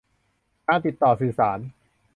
การติดต่อสื่อสาร